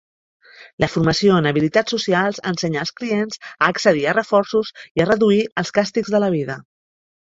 La formació en habilitats socials ensenya als clients a accedir a reforços i a reduir els càstigs de la vida.